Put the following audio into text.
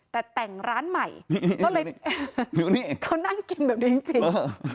แต่แต่งร้านใหม่ก็เลยเขานั่งกินแบบนี้จริง